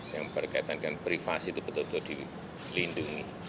yang berkaitan dengan privasi itu betul betul dilindungi